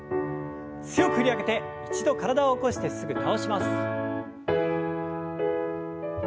強く振り上げて一度体を起こしてすぐ倒します。